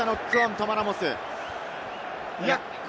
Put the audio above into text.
トマ・ラモス。